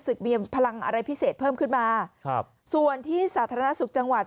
มีพลังอะไรพิเศษเพิ่มขึ้นมาครับส่วนที่สาธารณสุขจังหวัด